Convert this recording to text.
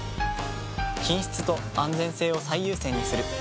品質と安全性を最優先にする。